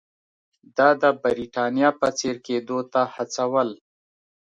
دا د برېټانیا په څېر کېدو ته هڅول.